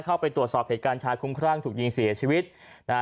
เข้าไปตรวจสอบเหตุการณ์ชายคุ้มครั่งถูกยิงเสียชีวิตนะฮะ